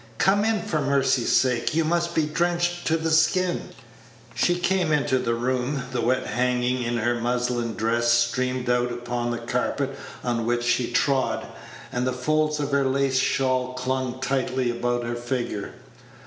Come in, for mercy's sake; you must be drenched to the skin." She came into the room; the wet hanging in her muslin dress streamed out upon the carpet on which she trod, and the folds of her lace shawl clung tightly about her figure.